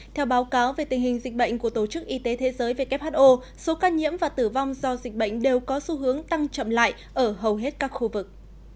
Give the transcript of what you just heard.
theo báo cáo về tình hình dịch bệnh của tổ chức y tế thế giới who số ca nhiễm và tử vong do dịch bệnh đều có xu hướng tăng chậm lại ở hầu hết các khu vực